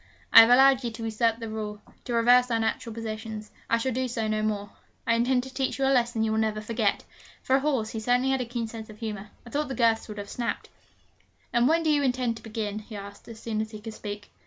I have allowed you to usurp the rule, to reverse our natural positions. I shall do so no more. I intend to teach you a lesson you will never forget.' For a horse, he certainly had a keen sense of humour. I thought the girths would have snapped. 'And when do you intend to begin?' he asked, as soon as he could speak.